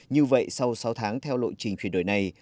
như vậy sau sáu tháng theo lộ trình chuyển đổi này